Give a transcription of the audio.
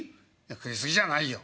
「食い過ぎじゃないよ」。